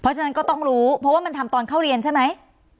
เพราะฉะนั้นก็ต้องรู้เพราะว่ามันทำตอนเข้าเรียนใช่ไหม